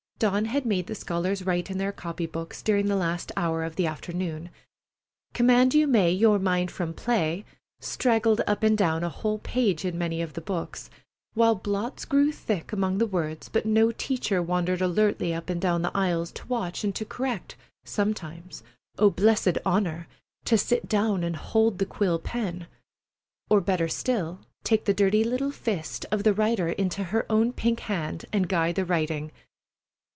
Dawn had made the scholars write in their copy books during the last hour of the afternoon. "Command you may your mind from play," straggled up and down a whole page in many of the books, while blots grew thick among the words, but no teacher wandered alertly up and down the aisles to watch and to correct; sometimes—oh, blessed honor!—to sit down and hold the quill pen, or, better still, take the dirty little fist of the writer into her own pink hand and guide the writing.